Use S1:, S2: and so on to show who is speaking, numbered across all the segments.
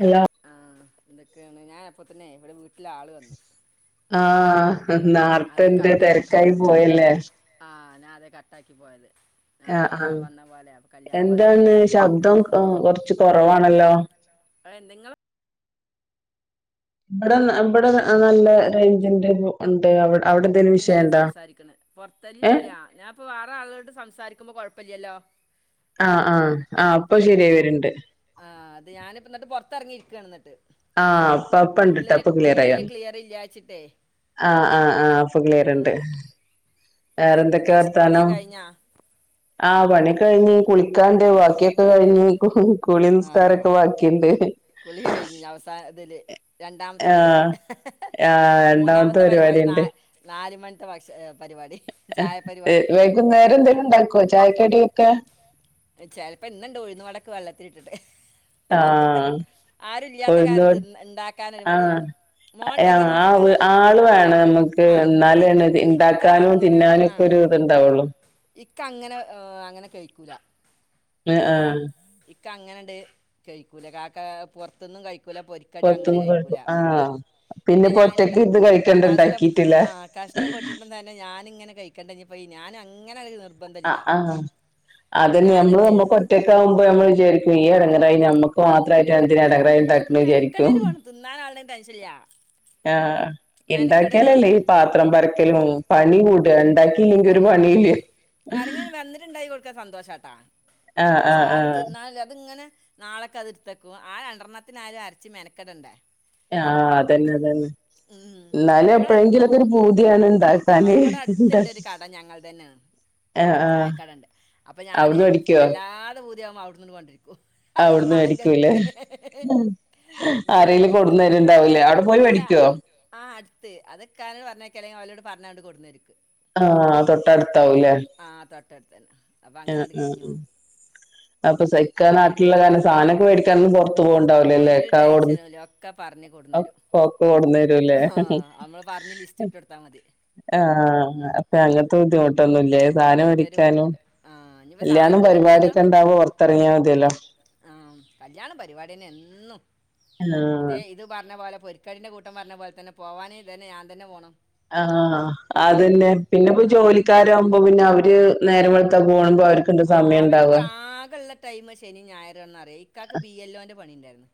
S1: അല്ല
S2: ആ
S1: [unintelligible]
S2: എന്തൊക്കെയാണ് ഞൻ അപ്പോത്തിന് ഇവിടെ വീട്ടിലെ ആള് വന്നു
S1: ആഹ
S2: അതേ
S1: നാർതെന്തേ
S2: കട്ട്
S1: തിരക്കായി പോയല്ലേ
S2: ഞാ അതെ കട്ടാക്കി പോയത്
S1: ആഹ
S2: ആരോ
S1: ആഹ
S2: ഒരാൾ വന്ന പോലെ അപ്പോൾ കല്യാണം പറയാൻ
S1: എന്താണ്
S2: വന്നായിരുന്നു
S1: ശബ്ദം കുറച്ച് കുറവാണ് ഹലോ
S2: അ നിങ്ങള് [unintelligible]
S1: ഇബടെ ഇവിടെ നല്ല റേഞ്ചിന്റെ ഉണ്ട് അവിടെ അവിടെ എന്തേലും വിഷയം
S2: വങ്ങീട്ട്
S1: ഉണ്ടോ
S2: സംസാരിക്കണ്
S1: ഏഹ്
S2: പുറത്തല്ലല്ല ഞാൻ ഇപ്പൊ വേറെ ആളോട് സംസാരിക് കുമ്പോ കുഴപ്പഇല്ലല്ലോ
S1: ആഹ ആഹ് ആഹ ഇപ്പൊ ശരിയായിവരുന്നുണ്ട്
S2: പുറത്ത്ഇറങ്ങിയിരിക്കുകയാ ഇന്നിട്ട്
S1: ആഹ ഇപ്പൊ ഇപ്പൊ ഉണ്ട്ട്ടോ ഇപ്പൊ ക്ളിയറായി
S2: ഉള്ളിൽ ക്ലിയർ ഇല്ല വെച്ചിട്ടേ
S1: ആ ആ ആ
S2: ആ,
S1: ക്ലിയർഉണ്ട്
S2: പിന്നെ
S1: വേറെന്തൊക്കെ
S2: പക്ഷെ
S1: വർത്താനം
S2: പണിയൊക്കെ കഴിഞ്ഞാ
S1: ആഹ പണി കഴിഞ്ഞ് കുളിക്കാണ്ട് ബാക്കിയൊക്കെ കഴിഞ്ഞ് കുളി
S2: ആ
S1: നിസ്കാരൊക്കെ ബാക്കിണ്ട്
S2: സ അതില് രണ്ടാമത്തെ പരിപാടി
S1: ആഹ് രണ്ടാമത്തെ
S2: മൂന്നാമത്തെ പരിപാടി
S1: ഉണ്ട്
S2: നാല് നാല് മണി പരിപാടി ചായ പരിപാടി
S1: വൈകുന്നേരം എന്തേലും ഉണ്ടാക്കോ ചായക്കടിയൊക്കെ
S2: ചിലപ്പോ ഇന്ന്ണ്ട് ഉഴുന്ന് വടക്ക് വെള്ളത്തി ഇട്ടിട്ട്
S1: ആഹ ഉഴുന്ന്
S2: കാരണം തിന്ന് ഉണ്ടാക്കാനൊരു
S1: ആഹ
S2: മടിയാണ് മോൻ
S1: ആ
S2: ഉണ്ടെങ്കിൽ മക്കള്
S1: ആ ആൾ വേണം നമ്മുക്ക്
S2: ആ ഇവിടെ ഇ-
S1: എന്നാലാണ്
S2: ഇക്ക
S1: ഇണ്ടാക്കാനും
S2: അങ്ങനെ
S1: തിന്നാനും
S2: ആ
S1: ഒക്കെ ഒരു ഇത്ണ്ടാവുള്ളു
S2: ഇക്ക അങ്ങനെ അങ്ങനെ കഴിക്കൂല
S1: ആഹ ആഹ
S2: ഇക്ക് അങ്ങനെണ്ട് കഴിക്കൂല കാക്ക പുറത്തൊന്നും കഴിക്കൂല പിന്നെ പൊരിക്കടി അങ്ങനെ
S1: പൊറത്തുന്ന്
S2: കഴിക്കൂല്ല
S1: കഴിക്കും ആഹ്
S2: പിന്നെ
S1: ഇപ്പോ
S2: ഞാൻ ഇണ്ടാ
S1: ഒറ്റക്ക് ഇത് കഴിക്കണ്ട ഇണ്ടാക്കീട്ടില്ലേ
S2: കഷ്ടപ്പെട്ടിട്ട് തന്നെ ഞാനിങ്ങനെ കഴിക്കണ്ടിറങ്ങിപ്പോയി ഞാന അങ്ങനെ
S1: ആ
S2: നിർബന്ധമില്ല
S1: ആ
S2: അപ്പം
S1: അതന്നെ
S2: ഞാൻ
S1: നമ്മള്
S2: എന്ത്
S1: നമ്മള് ഒറ്റ ഒറ്റക്ക് ആകുമ്പോ ഞമ്മള് വിചാരിക്കും ഈ ഇടങ്ങരായി ഞമ്മക്ക് മാത്രം ഇടക്കിടെ ഉണ്ടാക്കന്ന് വിചാരിക്കും
S2: മെനക്കെടലുമാണ് തിന്നാനാളുടെ ടെൻഷനില്ല
S1: ആ
S2: മെനക്കെടലുമാണ്
S1: ഉണ്ടാക്കിയാലല്ലേ ഈ പാത്രം പരക്കലും പണി കൂട വേണ്ട നിനക്ക് ഒരു
S2: ഉം.
S1: പണിയില്ലേ
S2: ആരെങ്കിലും വന്നിട്ടുണ്ട കൊടുക്ക സന്തോഷട്ടാ
S1: ആഹ് ആഹ്
S2: സാറ്
S1: ആഹ്
S2: തിന്നാല്ലേ അതി ഇങ്ങനെ നാളൊക്ക് അത് എടുത്തേക്കും ആ രണ്ടെണ്ണത്തിന് ആരും അരച്ചി മെനക്കടണ്ടേ
S1: ആ അതന്നെ അതന്നെ എന്നാലും
S2: അപ്പോൾ
S1: എപ്പോഴെങ്കിലൊക്കെ ഒരു പൂതിയാണ്
S2: ആ
S1: ഉണ്ടാക്കാന്
S2: ഇവിടെ അടുത്തുണ്ട് ഒരു കട ഞങ്ങള് തന്നെയണ് ചായക്കടണ്ട് അപ്പൊ ഞാന്
S1: അവിടുന്ന് മേടിക്കോ
S2: വല്ലാതെ അ അവിടുന്ന് വണ്ടി വരും
S1: അവിടുന്ന് മേടിക്കൂല്ലേ
S2: ഇനിയാണ്ട്
S1: അരയില്
S2: പോയി-
S1: കൊണ്ടുവന്നു തരുവുണ്ടാവില്ലേ അവിടെ പോയി മേടിക്കുവോ
S2: അതൊക്കെ പറഞ്ഞക്കല്ലെങ്കിൽ അവരോട് പറഞ്ഞാ കൊണ്ടുന്നുതരും
S1: ആ തൊട്ടടുത്താവൂല്ലേ
S2: തൊട്ടടുത്ത് തന്നെ അപ്പം
S1: ആ
S2: അങ്ങനെ അങ്ങട്
S1: ഉ
S2: കഴിഞ്ഞു
S1: ഉ
S2: പോകും
S1: അപ്പൊ ഇക്കാ നാട്ടിലുള്ള കാരണം സാധനൊക്കെ മേടിക്കാൻ പോണ്ടവുലലേ
S2: ഒരു
S1: ഇക്ക ഓടന്ന്
S2: ടെൻഷനും ഇല്ല ഒക്കെ പറഞ്ഞ് കൊടുന്നരും നമ്മൾ പറഞ്ഞ് ലിസ്റ്റ് ഇട്ട് കൊടുത്താൽ മതി
S1: ആ അങ്ങനത്തെ ബുദ്ധിമുട്ടൊന്നും ഇല്ലല്ലേ സാധനം
S2: അങ്ങനത്തെ ഒരു
S1: മേടിക്കാനും
S2: ബുദ്ധിമുട്ട് ആ ഇനിയിപ്പോൾ സാധനം ബു- എന്തെങ്കിലും
S1: പൊറത്തിറങ്ങിയാ മതിയല്ലോ
S2: ആ കല്യാണ പരിപാടി പിന്നെ എന്നും
S1: ആഹ്
S2: ഇതെ ഇത് പറഞ്ഞ പോലെ പൊരിക്കലിന്റെ കൂട്ടം പറഞ്ഞ പോലെ തന്നെ പോവാന് ഇത് തന്നെ ഞാൻ തന്നെ പോകണം
S1: ആ അതന്നെ പിന്നെപ്പോ
S2: ആ
S1: ജോലിക്കാരകുമ്പോ പിന്നെ അവര് നേരം വെളുത്ത പോകുമ്പോ അവർക്ക് എന്ത് സമയം ഉണ്ടാവ
S2: ടൈമ് ശനി ഞായര് ഇക്കാക്ക് ബി ൽ ഒ ന്റെ പണി ഉണ്ടായിരുന്നു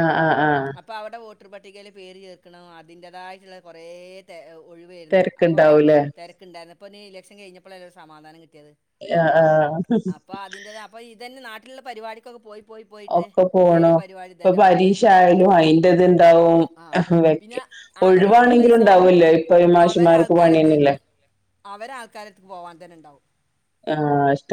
S1: ആഹ് ആഹ് ആഹ്
S2: അപ്പ അവിടെ വോട്ടർപട്ടികയിൽ പേര് ചേർക്കണത് അതിൻന്റേതായിട്ടുള്ള കുറേ ഒഴിവായിരുന്നു അപ്പൊ ആ
S1: തിരക്കുണ്ടാവൂലേ
S2: തിരക്ക്ണ്ടായിരുന്ന അപ്പൊ ഇലക്ഷൻ കഴിഞ്ഞപ്പോള സമാധാനം കിട്ടിയത്
S1: ആഹ് ആഹ്
S2: അപ്പൊ അതിൻ്റെ അപ്പൊ ഇതന്നെ നാട്ടി ള്ള പരിപാടിക്കൊക്കെ പോയി
S1: ഒക്കെ
S2: ഈ
S1: പോണോ
S2: ഒരു പരിപാടി
S1: ഇപ്പൊ
S2: തന്നെ
S1: പരീക്ഷ
S2: പരിപാടി
S1: ആയാലും അയിന്റെ ഇത് ഇണ്ടാവും
S2: ആ പിന്നെ
S1: വെക്കെ
S2: ആകെ ഒരു ഒഴിവുള്ള
S1: ഒഴിവാണെങ്കിലും
S2: ദിവസം
S1: ഉണ്ടാവൂല്ലേ ഇപ്പൊ
S2: അവരെ
S1: മാഷിമാർക്ക്
S2: ആൾക്കാരത്ത്
S1: പണിയൊന്നില്ലേ.
S2: അവരെ ആൾക്കാരത്ത്
S1: ആ ശ്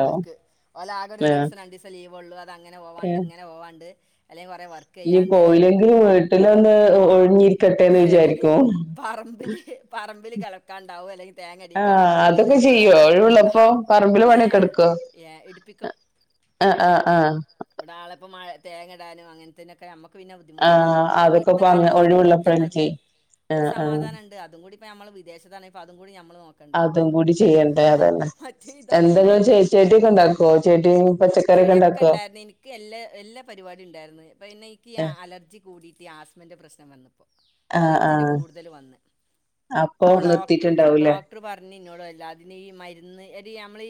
S2: വോൽക്ക് ഓൽ ആകെ ഒരു ദിവസം രണ്ട് ദിവസ ലീവ് കൊള്ളുവാ അത് അങ്ങനെ പോവാണ്ട്
S1: ഏഹ്
S2: ഇങ്ങനെ പോവാണ്ട് അല്ലെങ്കിൽ കുറേ വർക്ക്
S1: ഇനി
S2: ചെയ്യാണ്ട് അല്ലെങ്കിൽ
S1: പോയില്ലെങ്കിൽ വീട്ടിലൊന്ന് ഒഴിഞ്ഞി
S2: അല്ലെങ്കിൽ പറമ്പില് പറമ്പിൽ കെ ളക്കാണ്ടാവും അല്ലെങ്കിൽ
S1: ആഹ്
S2: തേങ്ങടിക്കാണ്ടാവും എന്നറി
S1: അതൊക്കെ
S2: ഇന്നോട്
S1: ചെയ്യോ
S2: പറേം അഹ്
S1: ഒഴിവുള്ളപ്പോ പറമ്പില്
S2: ഏ
S1: പണിയൊക്കെ എടുക്കോ
S2: ഏ ഇടുപ്പിക്കും
S1: ആഹ് ആഹ് ആഹ്
S2: ഇവിടെ ആ നാളപ്പ മഴ തേങ്ങടാനും അങ്ങത്തെനൊക്കെ നമുക്ക് ക്ക് പിന്നെ ബുദ്ധിമുട്ടില്ല
S1: ആഹ്
S2: നമ്മ
S1: അതൊക്കെ
S2: വീട്ടത്തെ
S1: ഇപ്പ
S2: കാര്യം
S1: അങ്ങ്
S2: മാത്രം നോക്കി
S1: ഒഴിവുള്ളപ്പോ
S2: പിന്നെ മതി
S1: എനിക്ക്
S2: ഒരു
S1: ആഹ് ആഹ്
S2: സമാധാനണ്ട് അതും കൂ ത് ഇപ്പോ നമ്മൾ വിദേശത്തണേപ്പോ അതും കൂടി നമ്മ നമ്മള് നോക്കണ്ടെ
S1: അതും കൂടി ചെയ്യണ്ടേ അതന്നെ
S2: മറ്റ് ഇത് അതൊന്നും
S1: എന്തെങ്കിലും ചെ
S2: ബുദ്ധിമുട്ടില്
S1: ചെടിയൊക്കെ ഉണ്ടാക്കുവോ ചെടിയും പച്ചക്കറിയൊക്കെ ഉണ്ടാക്കുവോ
S2: ചെടിക്കണ്ടായിരുന്നു എനിക്ക് എല്ലാ എല്ലാ പരിപാടിയും ഉണ്ടായിരുന്നു ഇപ്പ ന്ന് എനിക്ക് അലർജി കൂടിയിട്ട് ആസ്മന്റെ പ്രശ്നം വന്നു.
S1: ആഹ്
S2: അലർജീന്റെ
S1: ആഹ്
S2: കൂടുതൽ വന്ന് അപ്പൊ ഡോക്ടർ ഡോക്ടർ പറഞ്ഞ് പിന്നോളല്ല അതിന് ഈ മരുന്ന് എടീ നമ്മളീ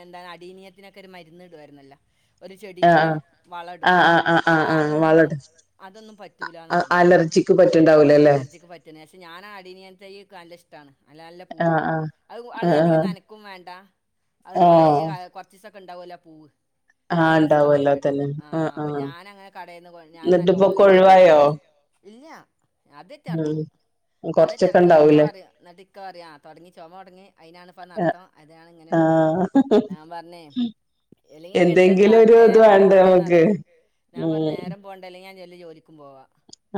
S2: എന്ത അടി നിയത്തിനൊക്കെ ഒരു മരുന്ന് ഇടു വായിരുന്നല്ലോ. ഒരു
S1: ആഹ്
S2: ചെടിക്ക് വള
S1: ആഹ് ആഹ് ആഹ്
S2: അപ്പൊ
S1: ആഹ് ആഹ് ആഹ്
S2: അതൊന്നും
S1: വളടും
S2: അതൊന്നും പറ്റൂലന്നറിഞ്ഞ്.
S1: അലർജിക്ക്
S2: ആ
S1: പറ്റുണ്ടാവൂല അല്ലേ
S2: അലർജിക്ക് പറ്റുന്ന പക്ഷേ ഞാ അടിനിയന തൈ ക്ക നല്ല ഇഷ്ടവാണ്. അല്ല നല്ല
S1: ആഹ്
S2: പൂടും
S1: ആഹ്
S2: അത് അത്
S1: ആഹ്
S2: അധികം
S1: ആഹ്
S2: നനക്കും വേണ്ട അത് കൊറേ
S1: ആഹ്
S2: കാ കുറച്ച്സ ക്ക് ഉണ്ടാവല്ലോ പൂവ്
S1: ആഹ്
S2: നല്ല രസവുള്ള
S1: ഉണ്ടാവുമല്ലോ
S2: പരിപാടിയാണ്
S1: അതന്നെ
S2: ആ
S1: ആഹ്
S2: അപ്പൊ
S1: ആഹ്
S2: ഞാൻ അങ്ങനെ കടേന്ന് ഞാൻ നല്ല
S1: എന്നിട്ടിപ്പൊക്കെ
S2: ഓൺലൈൻ ആയിട്ട്
S1: ഒഴിവായോ
S2: ഇല്ലാ അതിറ്റ റക്കും
S1: ഉം
S2: അത് റ്റ
S1: കൊറച്ചൊക്കെ
S2: ഇറക്കും എന്നിട്ട് ഇക്ക
S1: ഉണ്ടാവൂലേ
S2: പറയും എന്നിട്ട് ഇക്ക പറയു ആ തുടങ്ങി ചുമ തുടങ്ങി അയിതിനണിപ്പ നടത്തം അതാണ് ഇങ്ങനെയാണന്ന് പറേം
S1: ആഹ്
S2: ഞാൻ പറഞ്ഞേ അല്ലെങ്കി ഇപ്പ എന്ത
S1: എന്തെങ്കിലും
S2: കാട്ട
S1: ഒരു ഇത്
S2: നേരം
S1: വേണ്ടേ
S2: പോകണ്ടേന്ന്റിയ
S1: നമുക്ക്
S2: ഞാൻ പറു
S1: ഉം
S2: നേരം പോകണ്ടേ അല്ലെങ്കിൽ ഞാൻ ജലി ജോലിക്കും പോവാ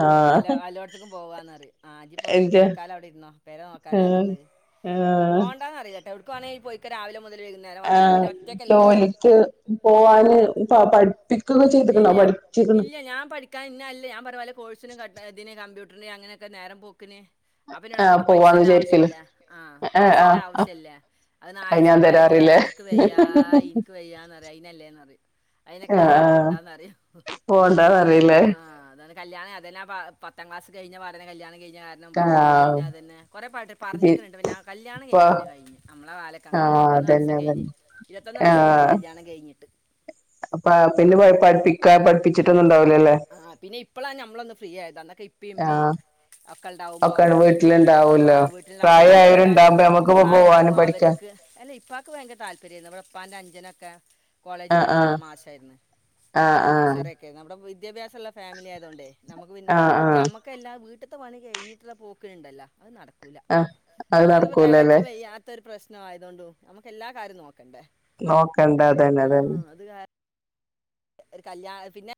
S1: ആഹ്
S2: അല്ലോ അല്ലോടത്തേക്കും പോവാന്ന് പറയും ആ ജിപോയിട്ട്
S1: ആഹ്
S2: തൽക്കാലം അവിടെ ഇരുന്നോ പെര നോക്കാൻ ആരാള്ളത് പോണ്ടാന്ന് പറയുല എവിടുക്കു വാണെലുംപൊയ്ക്കൊ രാവിലെ മുതൽ വൈകുന്നേരം
S1: ആ
S2: വന്നിട്ട് പിന്നെ ഒറ്റയ്ക്കല്ലേ
S1: ജോലിക്ക് പോവാന് പ പഠിപ്പിക്കുക ചെയ്തിക്കണോ
S2: ഇല്ല.
S1: പഠിച്ചേക്കണ്
S2: ഇല്ല. ഞാൻ പഠിക്കാൻ കമ്പ്യൂട്ടറിന്റെ അങ്ങനെയക്കെ നേരം പോക്കിന് അപ്പന്ന ഇവിടെ
S1: ആഹ്
S2: എനിക്ക്
S1: പോവാന്ന്
S2: പൈസേന്റെ ആവശ്യം
S1: വിചാരിക്കല്
S2: ഇല്ല ആ
S1: ആഹ്
S2: പൈസന്റെ
S1: ആഹ്
S2: ആവശ്യം ഇല്ല അതിന്
S1: അത്
S2: ആയസം
S1: ഞാൻ
S2: പോയാജി പറേം
S1: തരാറില്ലേ
S2: ഇനിക്ക് വയ്യാ ഇനിക്ക് വയ്യാന്ന് പറേം അയിനല്ലേന്ന് പറയും
S1: ആഹ്
S2: അയിനൊക്കെജി
S1: ആഹ്
S2: പോണ്ടാന്ന് പറയു
S1: പോണ്ടാന്നറില്ലേ
S2: ആ് അത് കല്യാ അതന്നെ പ പത്താം ക്ലാസ് കഴിഞ്ഞ വടനെ കല്യാണം കഴി ഞ്ഞ കാരണം പഠിപ്പിക്കാൻ
S1: ആഹ്
S2: പിന്നെ അതന്നെ കൊറെപാട് പറഞ്ഞേക്കുണുണ്ട് പിന്നെ കല്യാണം
S1: ഇപ്പ
S2: കഴിഞ്ഞാ പിന്നെ കഴിഞ്ഞ് നമ്മളെ കാലൊക്ക അങ്ങനെ
S1: ആഹ്
S2: ഇരുത്തൊന്ന്
S1: അതന്നെ
S2: വർഷം കഴിഞ്ഞ്
S1: അതന്നെ
S2: ഇരുപത്തൊന്ന് വർഷം കഴിഞ്ഞ്
S1: ആഹ്
S2: കല്യാണം കഴിഞ്ഞിട്ട്
S1: അപ്പ പിന്നെ പഠിപ്പിക്കാ പഠിപ്പിച്ചിട്ടൊന്നുംണ്ടാവൂലല്ലേ
S2: ആ പിന്നെ ഇപ്പ ളാ നമ്മളൊന്ന് ഫ്രീ ആയ് ഇപ്പി ഇമ്മി
S1: ആഹ്
S2: ഒക്കെണ്ടാവുമ്പോ
S1: ഒക്കെ
S2: ആ
S1: വീട്ടില്ണ്ടാവൂല്ലോ
S2: വീട്ടി ലുണ്ടാബൊ പിന്നെ അവരത്
S1: പ്രായായവരുണ്ടാവുമ്പോ നമ്മക്കിപ്പോ
S2: പ്രായം
S1: പോവാനും
S2: ഉണ്ടാവകുബൊ
S1: പഠിക്കാ
S2: അവർക്ക് അല്ല ഇപ്പൾക്ക് ഭയങ്കര താല്പര്യംമായിരുന്നു നമ്മടെപ്പാന്റെ അഞ്ചനക്ക ക്ക കോളേജ്
S1: ആഹ് ആഹ്
S2: പഠിപ്പിക്കണമാശായിരുന്നു
S1: ആഹ് ആഹ്
S2: പ്രൊഫസറക്കെ നമ്മ വിദ്യാഭ്യാസള്ള ഫാമിലി ആയതൊണ്ടെ നമുക്ക് പിന്നെ
S1: ആഹ്
S2: പിന്നെ
S1: ആഹ്
S2: നമുക്ക് എല്ലാ വീട്ട്ത്തെ പണി കഴിഞ്ഞിട്ടുള്ള പോക്കിന്ണ്ടല്ലോ അത് നട [inaudible]
S1: ആഹ് അത്
S2: ഒന്നാമത് ഇവടെ
S1: നടക്കൂലല്ലേ
S2: എളച്ചൻ വെയ്യാത്ത ഒര് പ്രശ് ശ്നമായതോണ്ടും നമുക്കെല്ലാ കാര്യും നോ
S1: നോക്കണ്ടെ അതന്നെ അതന്നെ.
S2: ഒര് കല്യാണ ഹ് പിന്നെ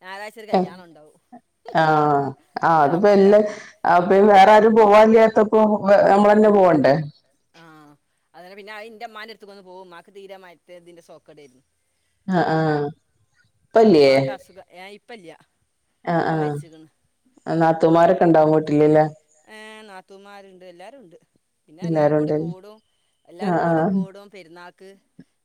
S2: അഹ്
S1: എഹ് ആഹ് ആഹ് അതിപ്പോ എല്ലെ
S2: അമ്മക്ക്
S1: ആപ്പിം വേറാരും പോവാൻ ല്ല്യാത്തപ്പോ വെ ഞമ്മളന്നെ പോണ്ടേ.
S2: ആ അതന്നെ പിന്നെ അയിന്റെ മ്മാന്റെ അട്ത്ത്ക്കൊന്ന് പോവും. ഇമ്മാക്ക് ദീരമായിര്ത്തെ ഇതിന്റെ സോക്കടേര്ന്നു.
S1: ആഹ് ആഹ് ഇപ്പല്ലേ
S2: ഇമ്മാക്കസുഖ ഏയി പ്പല്യാ.
S1: ആഹ് ആഹ് നാത്തൂമാരൊക്കെ ഇണ്ടാവും വീട്ടിൽല്ലെ?
S2: ത്തൂമാര്ണ്ട് എല്ലാരുംണ്ട്. പിന്നെ എല്ലാരുംകൂടി
S1: ഉണ്ടല്ലേ
S2: കൂടും. എല്ലാരും
S1: ആഹ്
S2: കൂടി
S1: ആഹ്
S2: കൂടും പെരുന്നാക്ക്.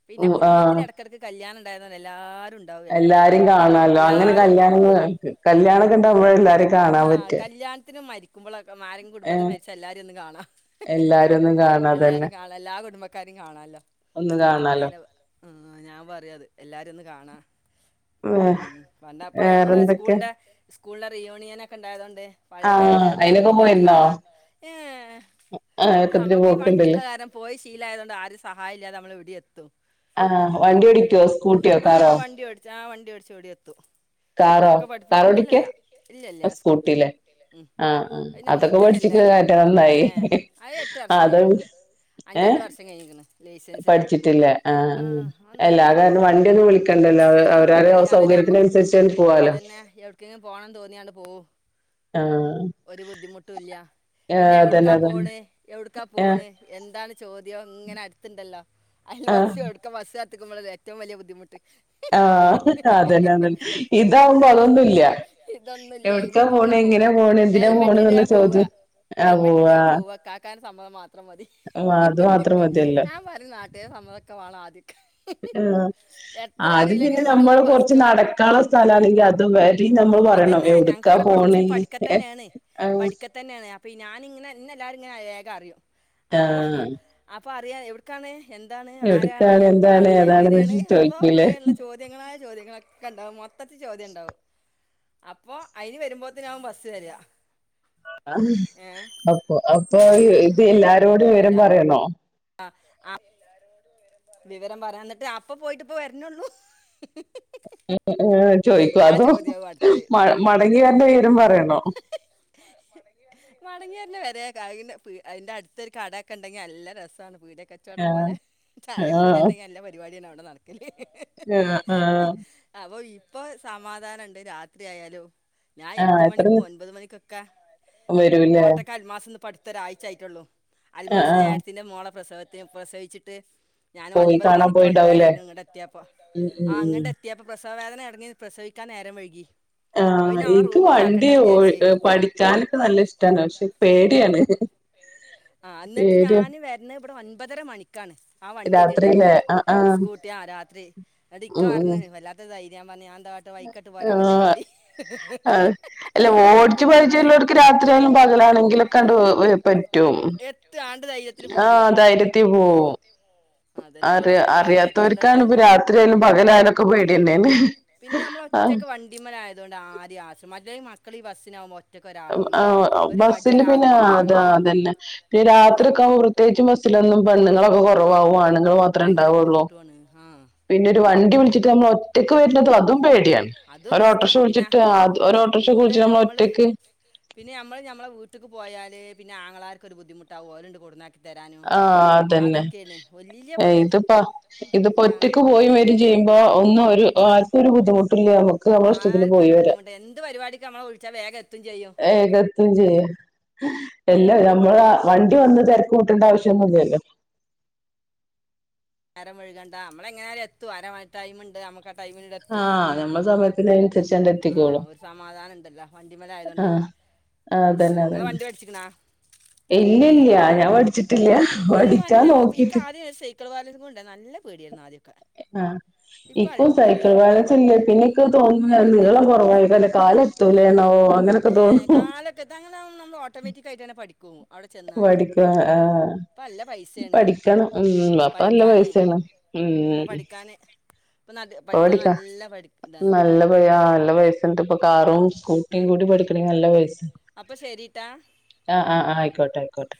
S2: പിന്നെ
S1: ഉം
S2: കുടുംബത്തിലെ
S1: ആഹ്
S2: എടക്കെടക്ക് കല്യാണം ഇണ്ടായിന്നാരെല്ലാ ലുണ്ടാവും എട
S1: രിം കാണല്ലോ അങ്ങനെ കല്ല്യാണങ്ങ്ള് ക്ക് കല്യാണൊക്കെണ്ടാവുമ്പഴേ എല്ലാരും കാണാൻ പറ്റാ
S2: [unintelligible] മരിക്കുമ്പളൊ ക്കെമാരിം കുടുംബത്തിൽ മരിച്ച എല്ലാരി ഒന്ന് കാണാ
S1: എല്ലാരും ഒന്നും കാണാതന്നെ
S2: എല്ലാരികാണാ എല്ലാ കുടുംബ ക്കാരിം കാണാല്ലോ
S1: ഒന്ന് കാണാലോ
S2: ആ ഞാൻ പറിഅത് എല്ലാരിയൊന്ന് കാണാ ഉം പണ്ടപ്പ [unintelligible] ഞമ്മളെ
S1: വേറെന്തൊക്കെ
S2: സ്കൂളിന്റെ സ്കൂളിലെറീയൂണിയനൊക്കെണ്ടായതോണ്ട് പയേ കാൽത്തെ
S1: ആഹ്
S2: ആൾക്കാരെ
S1: അയിനൊക്കെ
S2: പിന്നിയോന്ന്
S1: പോയിരുന്നോ
S2: കാണാ ഏഹ്
S1: ആഹ് ഏക്കത്തിന്
S2: അമ്മക്ക് ഈ വണ്ടിള്ള
S1: പോക്ക്ണ്ടല്ലേ
S2: കാരണം പോയി ശീലായതൊണ്ട് ആരിം സഹായല്ലാതെ അമ്മള് എവിടിയെത്തും
S1: ആഹ് വണ്ടി ഓടിക്കോ സ്കൂട്ടിയോ
S2: ആ വണ്ടിയോടിക്കോ ആ
S1: കാറോ
S2: വണ്ടി ഓടി ആ വണ്ടിയോടിച്ചെവിടിയെത്തും
S1: കാറോ കാറോടിക്ക
S2: ഇല്ല ഇല്ല സ്കൂട്ടി
S1: സ്കൂട്ടിലേ
S2: ഉം.
S1: ആ ആ
S2: അത് നമ്മൾ
S1: അതൊക്കെ പഠി
S2: ഒറ്റക്കല്ലേ
S1: [unintelligible]
S2: ഏ
S1: നന്നായി
S2: അത് എട്ട്
S1: ആ
S2: വർഷം
S1: അതും
S2: കഴിഞ്ഞിരിക്കുന്നു
S1: ഏ
S2: അഞ്ചെട്ട് വർഷം കഴിഞ്ഞിരിക്കുന്നു ലൈസൻസ് കിട്ടിയിട്ട്
S1: പഠിച്ചിട്ടില്ല ആ ഉം
S2: അതൊന്നും
S1: [unintelligible]
S2: ബുദ്ധിമുട്ടില്ല
S1: വണ്ടിയൊന്നും വിളിക്കണ്ടല്ലോ [unintelligible] അവരാരേം
S2: ഇല്ല
S1: ഔ
S2: അതന്നെ നമ്മക്ക്
S1: സൗകര്യത്തിനനുസരിച്ച് പോവാലോ
S2: അതന്നെ എവിട്ക്കെങ്കിലും പോണം തോന്നിയാലങ്ങട്ട്പോവും
S1: ആഹ്
S2: ഒരു ബുദ്ധിമുട്ടുംല്ല്യ പിന്നെ
S1: ഏഹ്
S2: എവിട്ക്കാ
S1: അതന്നെ അതന്നെ
S2: പോണ്
S1: ഏഹ്
S2: എവിടുക്കാപോണ് എന്ന് എന്താണ് ചോദ്യം ഇങ്ങനെ അട്ത്ത്ണ്ടല്ലോ അതയില്
S1: ആഹ്
S2: [unintelligible] ത്ത്ക്കുമ്പളല്ലേ ഏറ്റവും വലിയ ബദ്ധിമുട്ട്
S1: ആഹ് അതന്നെ അതന്നെ ഇതാവുമ്പോ
S2: യൊട്ക്ക
S1: അതൊന്നുല്ല
S2: ഇതൊന്നുല്ല
S1: എവിട്ക്കാ
S2: ഹെൽമെറ്റ് ടാ
S1: പോണെ
S2: പോവ
S1: എങ്ങനെയാ പോണെ എന്തിനാ പോണെന്നുള്ള
S2: ഹെൽമെറ്റ്ടാ പോവ
S1: ചോദ്യം ആഹ് പോവാ
S2: ഹെൽമെറ്റ്ട പോവ കാക്കാന്റെ സമ്മതം മാത്രം മതി.
S1: അത് മാത്രം മതിയല്ലോ
S2: ഞാം പറിം നാ ട്ടെ സമ്മതൊക്കെ വാണം ആദ്യ
S1: ആഹ് ആദ്യം പിന്നെ
S2: അറിയില്ലെങ്കിലും
S1: നമ്മള്
S2: വേണം
S1: കൊറച്ച്
S2: ഫസ്റ്റ്
S1: നടക്കാനുള്ള സ്ഥല ആണെങ്കിൽ അത് വരി നമ്മൾ പറയണം
S2: അതന്നെ ഞങ്ങക്ക്
S1: എവിടുക്കാ
S2: ഇവിടെ കുറച്ച് പഠിക്ക
S1: പോവുണേന്ന്
S2: തന്നെയാണ് പഠിക്ക തന്നെയാണ് അപ്പൊ ഞാനിങ്ങനെന്നെ എല്ലാരും ഇങ്ങനെ വേഗം അറിയും അപ്പൊ,
S1: ആഹ്
S2: അപ്പൊ അത് അറിയാം എവിടുക്കാണ് എന്താണ്, ആരാണ്,
S1: എവിട്ക്കാണ് എന്താണ്
S2: എപ്പോഴാണ്
S1: ഏതാണ്ന്ന്
S2: എങ്ങനെയാണ്, അതോ
S1: ചോയിക്കൂലേ
S2: [unintelligible] ഉുള്ള ചോദ്യങ്ങളായ ചോദ്യങ്ങളൊക്കെ ഒണ്ടാവും മൊത്തത്തി ചോദ്യം ഉണ്ടാവും അപ്പൊ അയിന് വരുമ്പത്തേ നാകും ബസ് വരിക ഏ
S1: അപ്പൊ, അപ്പൊ ഇത് എല്ലാരോടും
S2: അല്ല
S1: വിവരം പറയണോ
S2: ആ വിവരം പറയാ എന്നിട്ട് അപ്പ പോയിട്ട് ഇപ്പം വരന്നേള്ളൂ
S1: ഏ ചോയിക്കുവാന്നോ,
S2: ചോദ്യമാവും അടുത്തത്
S1: മടങ്ങി വരുന്ന വിവരം പറയണോ
S2: അതിന്റെ അടുത്ത ഒരു കടൊക്കെ ഉണ്ടെങ്കിൽ നല്ല രസം പീടക കച്ചവടം
S1: ആഹ്
S2: പോലെ ചായപ്പീടിക ഉണ്ടെങ്കിൽ നല്ല പരിപാടിയാ നടക്കില്ലേ
S1: ആ, ആ
S2: ഇപ്പൊ സമാധാനുണ്ട് രാത്രി ആയാലും ഞാൻ
S1: ആഹ്
S2: എട്ട്
S1: എത്ര
S2: മണിക്കും ഒൻപത് മണിക്കൊക്കെ,
S1: വരൂല്ലേ
S2: കോട്ടക്ക് ഹെഡ്മാസം ഇപ്പം അടുത്ത ഒരാഴ്ച ആയിട്ടുള്ളു
S1: ആഹ്
S2: അൽമാസ
S1: ആഹ്
S2: ഞായത്തിന്റെ [unintelligible] പ്രസവത്തെ പ്രസവിച്ചിട്ട് ഞാൻ
S1: പോയി
S2: ഒൻപത്
S1: കാണാൻ
S2: മണിക്ക്
S1: പോയിണ്ടാവൂലേ
S2: ഒൻപതരായിക്കും ഇങ്ങട് എത്യപ്പം,
S1: ഉം ഉം ഉം
S2: അങ്ങട്ട് എതൃപ്പം പ്രശ്നം പ്രസവവേദന അടങ്ങി പ്രസവിക്കാൻ നേരം വഴുകി
S1: ആ, എനിക്ക് വണ്ടിയ
S2: വിചാരിച്ച്
S1: പഠിക്കാനൊക്കെ നല്ല ഇഷ്ട്ടാണ്, പക്ഷെ പേടിയാണ്.
S2: ആ, എന്നിട്ട്
S1: പേര്
S2: ഞൻ വരുന്ന ഇവിടെ വന്ന് ഒമ്പതര മണി ഒമ്പതര മണിക്കാണ് ആ വണ്ടി അവിടെ
S1: രാത്രിയിലെ
S2: എത്തിയത്,
S1: ആഹ് ആഹ്
S2: സ്കൂട്ടി ആ രാത്രി, അത് ഇക്കാ പറഞ്ഞ വല്ലാത്ത ഇതായി [unintelligible]
S1: ആ ആ അല്ല ഓടച്ച്ു പഴിച്ചല്ലോടക്ക് രാത്രിയല്ലും പകലാണെങ്കിലൊ കെ കണ്ട് പറ്റും
S2: പത്ത് ആണ്ട്
S1: ആഹ ധൈര്യത്തി പോ
S2: അതന്നെ അല്ല
S1: അറിയ
S2: അപ്പം എന്താ കാട്ടെ എത്തേണ്ട
S1: അറിയാത്തവർക്കാണ്
S2: അടുത്ത്
S1: ഇപ്പൊ രാത്രി ആയാലും പകലായാലുംൊക്കെ പേടണ്ടേന്
S2: പിന്നെ നമ്മൾ
S1: ആ
S2: ഇ മക്കള ഈ ബസിനാവുമ്പോ
S1: ബസിില് പിന്നെ
S2: കൂടി
S1: അത
S2: വേണം
S1: അതെല്ല പിന്നെ രാത്രി
S2: അതാണ്
S1: ഒക്കെകുമ്പോ പ്രത്യേകിും ബസ്സിലൊന്നും ബന്ധങ്ങളൊക്കെ കുറവാവുാണ് തോ മാത്രോ
S2: ഭയങ്കര
S1: ഇണ്ടാവൊള്ളു
S2: ബുദ്ധിമുട്ടുമാണ് ആ
S1: പിന്നെ ഒര് വൻ ട്ടെ വിളിച്ചിട്ട് നമ്മൾ ഒറ്റയ്ക്ക് വെര്ന്നതും അതും പേടി ടിയാണ്
S2: അതും
S1: ഒര് ഓട്ടോർക്ഷ
S2: റിസ്ക്കാണ് പിന്നെ
S1: വിളിച്ചിട്ട് ആ ഒര് ഓട്ടോർഷ ഒക്കെ
S2: പിന്നെ
S1: വുൾച്ച് ഞമ്മൾ
S2: ഞമ്മള്
S1: ഒറ്റക്ക്
S2: പിന്നെ ഞമ്മൾ ഞമ്മളെ വീട്ട്ക്ക് പോയാൽ പിന്നെ ആങ്ങളാര്ക്ക് ഒര് ബുദ്ധി മുട്ടാവും ഓൽ ഇണ്ട് കൊട്ന്നാക്കി തരാനും
S1: ആ അതെന്നെ
S2: അതൊക്കേണ് വല്ല്യ പണി
S1: ഇതിപ്പ ഇത്പ്പ
S2: ഞാ
S1: ഒറ്റക്ക് പോയി വെരും ചെയ്യുമ്പോ ഒന്നും ഒരു ആര്ക്കും ഒര് ബുദ്ധിമുട്ട്
S2: ആര്ക്കും ഒരു ബുദ്ധിമുട്ട് എന്ത് പരിപാടിക്ക് നമ്മളെ വിളിച്ചാ വേഗം എത്തും ചെയ്യാ
S1: വേഗം എത്തും ചെയ്യും എല്ലാ നമ്മൾ ആ വണ്ടി വന്ന് തെരക്കുട്ടേണ്ട ആവശ്യം ഒന്നും ഇല്ലല്ലോ
S2: നേരം വെഴ്കണ്ട നമ്മൾ എങ്ങനെ ആയാലും എത്തും അരമായി ടൈമ് ഇണ്ട് നമ്മ
S1: ആ ഞമ്മൾ സമയത്തിന് അനുസരിച്ചാണ്ട്
S2: ആ
S1: എത്തിക്കോളും
S2: ഒരു സമാധാനണ്ടല്ലോ
S1: ആ
S2: വണ്ടിമ്മലായതോണ്ട്
S1: ആ
S2: പിന്നെ
S1: അതെന്നെ
S2: ഇങ്ങള്
S1: അതെന്നെ
S2: വണ്ടി പഠിച്ചിക്ക്ണാ
S1: ഇല്ലയില്ല ഞാൻ പഠിച്ചിട്ടില്ല
S2: അയ്ന് വണ്ടി
S1: പഠിക്കാൻ
S2: നമ്മള് ഇൻക്ക്
S1: നോക്കിട്ട്
S2: ആദ്യം ഒരു സൈക്കിൾ ബാലൻസും കൊണ്ട് നല്ല പേടായിരുന്നു ആദ്യൊക്കെ
S1: ആഹ്
S2: ഇപ്പ
S1: ഇക്കും സൈക്കിൾ
S2: അൽഹംദുലില്ലാഹ് ഇപ്പ
S1: ബാലൻസ് ഇല്ല
S2: കൊഴപ്പൊന്നില്ല
S1: പിന്നെ ഇക്ക് തോന്നുന്നു
S2: ഇപ്പ എവ്ടിം
S1: നീളം
S2: എത്തും
S1: കുറവായിക്കാണ്ട് കാല് എത്തൂലേന്നാവോ
S2: ഏ
S1: അങ്ങനൊക്കെ
S2: എ
S1: തോന്നും പഠിക്കാ ആ
S2: നല്ല പൈസയാണ്
S1: പഠിക്കണം ഉം അപ്പ നല്ല
S2: പഠിക്കാൻ
S1: പൈസെയാണ് ഉം
S2: ഇപ്പം പഠിക്കാൻ ഇപ്പം
S1: ഇപ്പ
S2: പഠിക്കാൻ
S1: പഠിക്കാ
S2: നല്ല പഠി ഇതാണ്
S1: നല്ല പിഴ നല്ല പൈസ ഇണ്ട്പ്പം കാറും സ്കൂട്ടിയും കൂടി പഠിക്കെണെങ്കി നല്ല പൈസ
S2: അപ്പ ശരിട്ടാ
S1: അയിക്കോട്ടെ